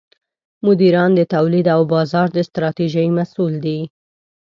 مدیران د تولید او بازار د ستراتیژۍ مسوول دي.